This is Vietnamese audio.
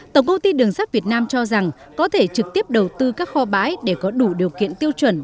tổng công ty đường sắt việt nam cho rằng có thể trực tiếp đầu tư các kho bãi để có đủ điều kiện tiêu chuẩn